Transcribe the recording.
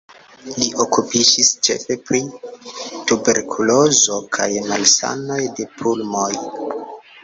Li okupiĝis ĉefe pri tuberkulozo kaj malsanoj de pulmo.